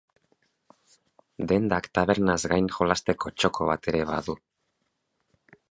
Dendak tabernaz gain, jolasteko txoko bat ere badu.